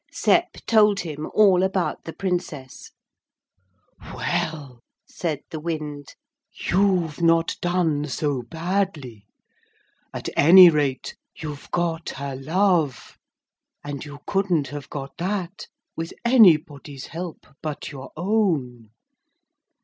Sep told him all about the Princess. 'Well,' said the wind, 'you've not done so badly. At any rate you've got her love. And you couldn't have got that with anybody's help but your own.